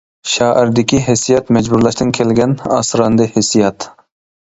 شائىردىكى ھېسسىيات مەجبۇرلاشتىن كەلگەن ئاسراندى ھېسسىيات.